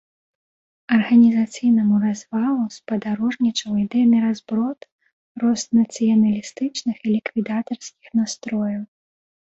Арганізацыйнаму развалу спадарожнічаў ідэйны разброд, рост нацыяналістычных і ліквідатарскіх настрояў.